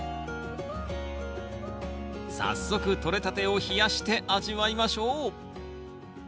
早速とれたてを冷やして味わいましょう！